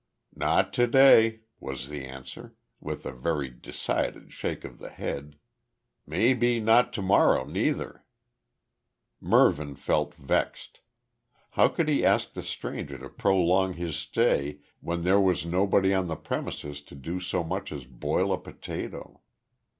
"Not to day," was the answer, with a very decided shake of the head. "May be not to marrer neither." Mervyn felt vexed. How could he ask the stranger to prolong his stay when there was nobody on the premises to so much as boil a potato.